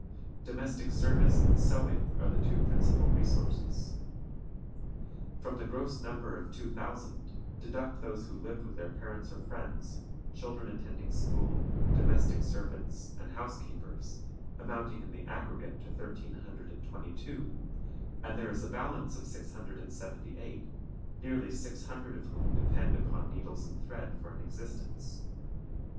Domestic service and sewing are the two principal resources. From the gross number of two thousand deduct those who lived with their parents or friends, children attending school, domestic servants, and housekeepers, amounting in the aggregate to 1322, and there is a balance of 678, nearly six hundred of whom depend upon needles and thread for an existence.